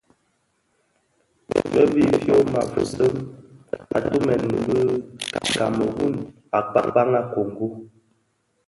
Bë bi fyoma fistem, atumèn bi Kameru a kpaň a kongo.